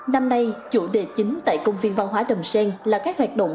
năm nay chủ đề chính tại công viên văn hóa đầm sen là các hoạt động